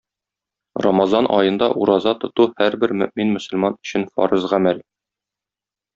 Рамазан аенда ураза тоту һәрбер мөэмин мөселман өчен фарыз гамәл.